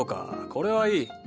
これはいい。